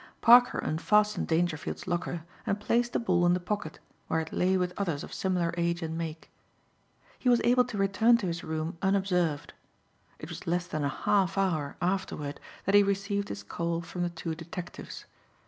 Parker unfastened Dangerfield's locker and placed the ball in the pocket, where it lay with others of similar age and make. He was able to return to his room unobserved. It was less than a half hour afterward that he received his call from the two detectives.